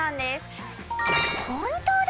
本当だ！